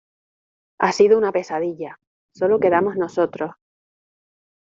ha sido una pesadilla, solo quedamos nosotros.